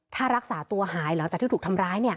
ถ้ารักษาตัวหายหลังจากที่ถูกทำร้าย